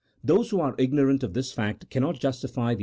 Those who are ignorant of this fact cannot justify the